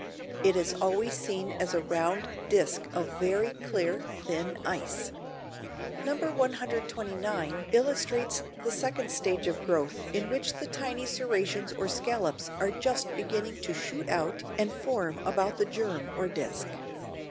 It is always seen as a round disc of very clear, thin ice. No. 129 illustrates the second stage of growth in which the tiny serrations or scallops are just beginning to shoot out and form about the germ or disc.